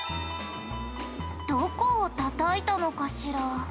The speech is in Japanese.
「どこをたたいたのかしら」